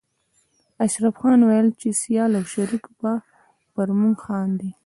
اشرف خان ويل چې سيال او شريک به پر موږ خاندي